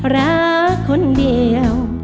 รักคนเดียว